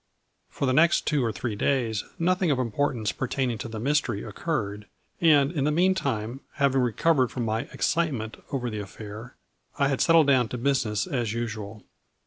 For the next two or three days nothing of importance pertaining to the mystery occurred, and, in the meantime, having recovered from my excitement over the affair, I had settled down to business as usual.